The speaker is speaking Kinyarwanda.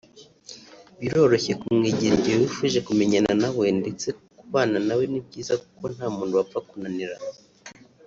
Biroroshye kumwegera igihe wifuje kumenyana nawe ndetse kubana nawe ni byiza kuko nta muntu bapfa kunaniranwa